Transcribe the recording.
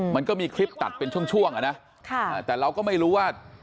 มันก็มีคลิปตัดเป็นช่วงช่วงอ่ะนะแต่เราก็ไม่รู้ว่า